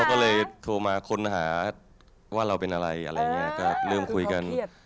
ก็เลยโทรมาค้นหาว่าเราเป็นอะไรอะไรอย่างนี้ก็เริ่มคุยกัน